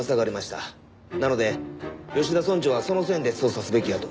なので吉田村長はその線で捜査すべきやと。